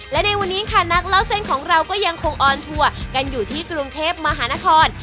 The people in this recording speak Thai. และในวันนี้ค่ะนักเล่าเส้นของเราก็ยังคงออนทัวร์กันอยู่ที่กรุงเทพมหานคร